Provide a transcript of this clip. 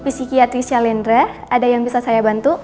fisikiatrisya lendre ada yang bisa saya bantu